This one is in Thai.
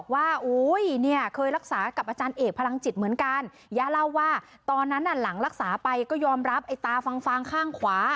แล้วก็ไปรูปหน้าย่าด้วยนะคะ